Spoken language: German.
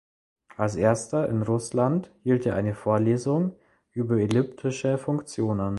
Als Erster in Russland hielt er eine Vorlesung über Elliptische Funktionen.